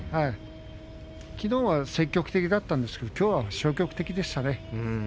きのうは積極的だったんですけどきょうは消極的でしたね。